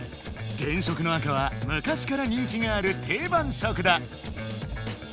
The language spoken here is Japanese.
原色の赤は昔から人気がある定番色だ！